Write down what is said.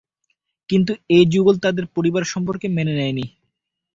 কিন্তু এ যুগল তাদের পরিবার সম্পর্ক মেনে নেয়নি।